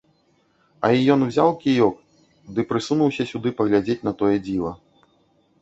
А й ён узяў кіёк ды прысунуўся сюды паглядзець на тое дзіва.